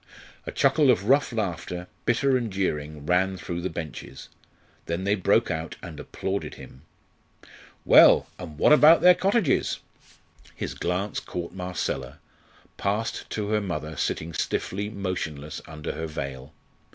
A chuckle of rough laughter, bitter and jeering, ran through the benches. Then they broke out and applauded him. Well, and about their cottages? His glance caught Marcella, passed to her mother sitting stiffly motionless under her veil.